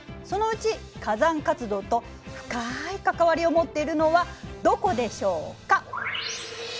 そのうち火山活動と深い関わりを持っているのはどこでしょうか。